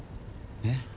えっ？